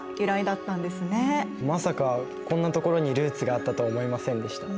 まさかこんなところにルーツがあったとは思いませんでした。